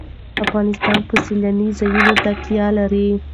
افغانستان په سیلانی ځایونه باندې تکیه لري.